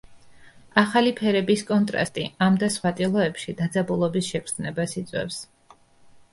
ახალი ფერების კონტრასტი ამ და სხვა ტილოებში დაძაბულობის შეგრძნებას იწვევს.